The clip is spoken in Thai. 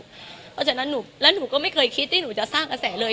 เพราะฉะนั้นแล้วหนูก็ไม่เคยคิดที่หนูจะสร้างกระแสเลย